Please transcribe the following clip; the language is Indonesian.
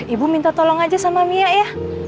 ibu minta tolong aja sama mia ya